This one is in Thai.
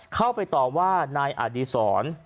เข้าไปต่อว่านายอดีศร